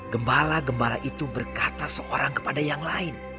gembala gembala itu berkata seorang kepada yang lain